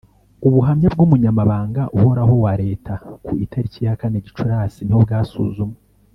Ubuhamya bw Umunyamabanga Uhorahowa leta ku itariki ya kane gicurasi niho bwasuzumwe